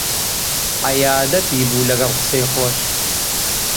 عەیادەتی بوو لەگەڵ قسەی خۆش